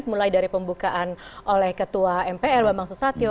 mulai dari pembukaan oleh ketua mpr bambang susatyo